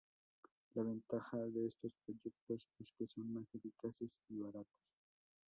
La ventaja de estos proyectos es que son más eficaces y baratos.